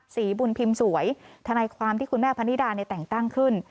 ศรีบุญพิมพ์สวยทนายความที่คุณแม่พนิดาแต่งตั้งขึ้น